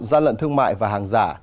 gia lận thương mại và hàng giả